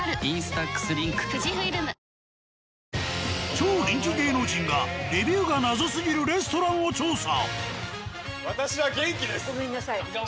超人気芸能人がレビューが謎すぎるレストランを調査。